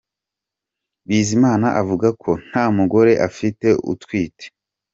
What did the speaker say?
Bizimana avuga ko nta mugore afite utwite .